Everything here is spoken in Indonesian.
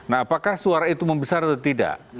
nah apakah suara itu membesar atau tidak